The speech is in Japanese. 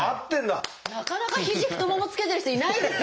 なかなか肘太ももつけてる人いないですよ。